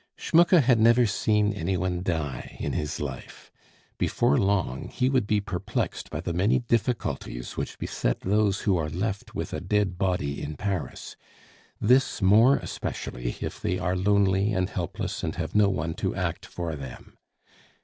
Schmucke had never seen any one die in his life; before long he would be perplexed by the many difficulties which beset those who are left with a dead body in Paris, this more especially if they are lonely and helpless and have no one to act for them.